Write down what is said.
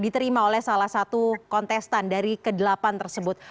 diterima oleh salah satu kontestan dari ke delapan tersebut